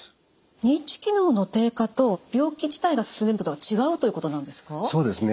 認知機能の低下と病気自体が進んでるってことは違うということなんですか？